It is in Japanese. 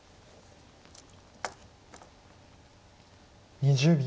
２０秒。